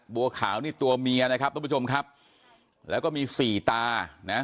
บัวขาวนี่ตัวเมียนะครับทุกผู้ชมครับแล้วก็มีสี่ตานะ